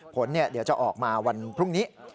ผลจะออกมาวันพรุ่งนี้